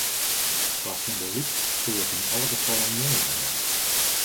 Kwa symboalyk soe it yn alle gefallen moai wêze.